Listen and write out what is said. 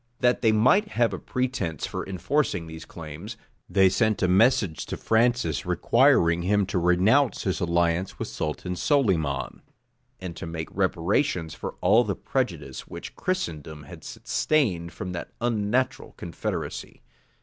[*] That they might have a pretence for enforcing these claims, they sent a message to Francis, requiring him to renounce his alliance with Sultan Solyman, and to make reparation for all the prejudice which Christendom had sustained from that unnatural confederacy.